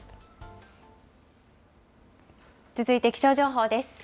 続いて気象情報です。